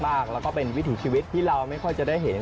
แล้วก็เป็นวิถีชีวิตที่เราไม่ค่อยจะได้เห็น